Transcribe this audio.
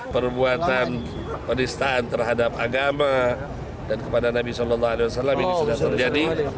perbuatan penistaan terhadap agama dan kepada nabi saw ini sudah terjadi